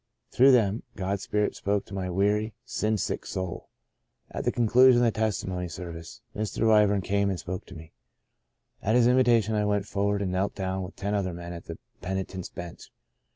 50 De Profundis Through them, God's Spirit spoke to my weary, sin sick soul. " At the conclusion of the testimony serv ice, Mr. Wyburn came and spoke to me. At his invitation I went forward, and knelt down with ten other men at the penitent's bench.